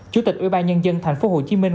chủ tịch ủy ban nhân dân thành phố hồ chí minh